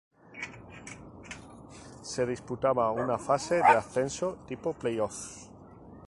Se disputaba una fase de ascenso tipo Play Offs.